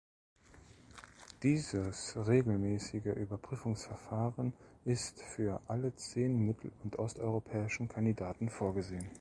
Dieses regelmäßige Überprüfungsverfahren ist für alle zehn mittel- und osteuropäischen Kandidaten vorgesehen.